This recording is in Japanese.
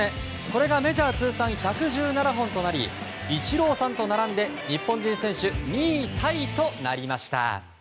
これがメジャー通算１１７本となりイチローさんと並んで日本人選手２位タイとなりました。